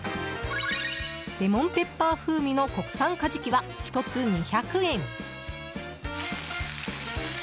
レモンペッパー風味の国産カジキは１つ２００円。